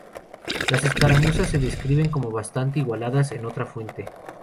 Las escaramuzas se describen como bastante igualadas en otra fuente.